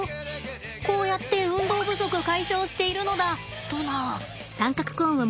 こうやって運動不足解消しているのだとな。